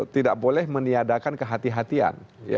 tidak boleh meniadakan kehatian